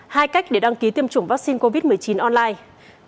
hai cách để đăng ký tiêm chủng vắc xin covid một mươi chín online